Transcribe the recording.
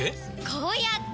こうやって！